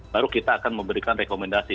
baru kita akan memberikan rekomendasi